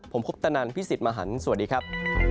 ผมคุปตะนันพี่สิทธิ์มหันฯสวัสดีครับ